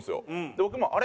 僕もあれ？